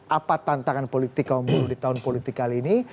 apa tantangan politik kaum buruh di tahun politik kali ini